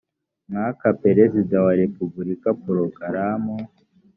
mwaka perezida wa repubulika porogaramu